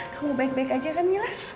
kamu baik baik aja kan mila